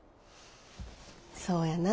そうやな。